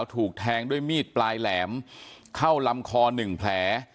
ถูกแทงด้วยมีดปลายแหลมเข้าลำคอหนึ่งแผล